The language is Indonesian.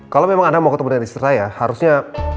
kalau memang anda mau ketemu dengan istri saya harusnya